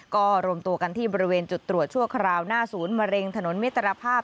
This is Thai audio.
ก็รวมตัวกันที่บริเวณจุดตรวจชั่วคราวหน้าศูนย์มะเร็งถนนมิตรภาพ